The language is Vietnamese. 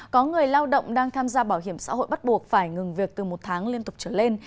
có người lao động đang tham gia bảo hiểm xã hội bắt buộc phải ngừng việc từ một tháng liên tục trở lên